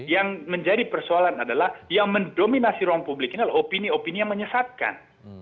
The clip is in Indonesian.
yang menjadi persoalan adalah yang mendominasi ruang publik ini adalah opini opini yang menyesatkan